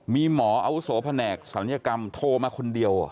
มีหมออาวุโสแผนกศัลยกรรมโทรมาคนเดียว